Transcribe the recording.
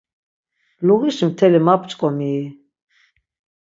Luğişi mteli ma p̌ç̌ǩomii?